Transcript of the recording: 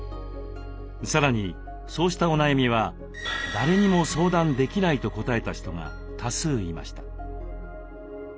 さらにそうしたお悩みは「誰にも相談できない」と答えた人が多数いました。